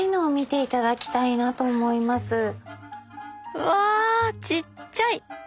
うわちっちゃい！